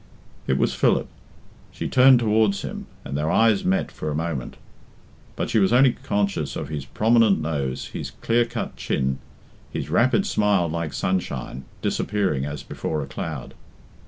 It was Philip. She turned towards him, and their eyes met for a moment. But she was only conscious of his prominent nose, his clear cut chin, his rapid smile like sunshine, disappearing as before a cloud.